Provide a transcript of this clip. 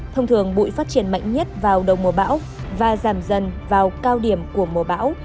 thông thường bụi phát triển mạnh nhất vào đầu mùa bão và giảm dần vào cao điểm của mùa bão